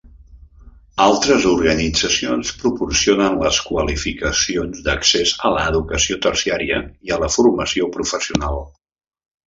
Altres organitzacions proporcionen les qualificacions d'accés a l'educació terciària i a la formació professional.